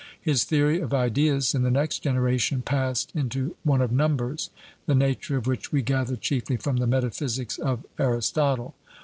His Theory of Ideas in the next generation passed into one of Numbers, the nature of which we gather chiefly from the Metaphysics of Aristotle.